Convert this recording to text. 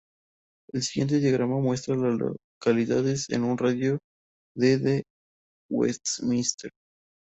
El siguiente diagrama muestra a las localidades en un radio de de Westminster.